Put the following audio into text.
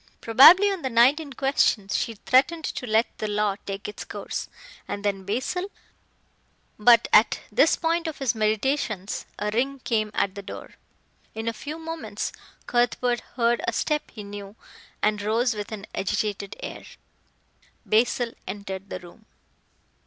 Probably on the night in question she threatened to let the law take its course, and then Basil but at this point of his meditations a ring came at the door. In a few moments Cuthbert heard a step he knew and rose with an agitated air. Basil entered the room.